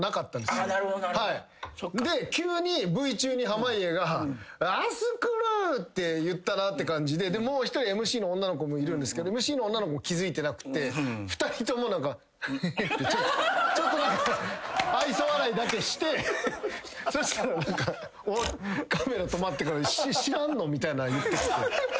急にＶ中に濱家が「アスクル」って言ったなって感じでもう一人ＭＣの女の子もいるんですけどＭＣの女の子も気付いてなくて２人ともヘヘってちょっと。だけしてそしたら何かカメラ止まってから「知らんの？」みたいな言ってきて。